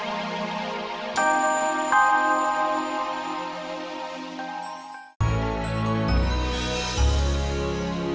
aku mau ngasih tau kamu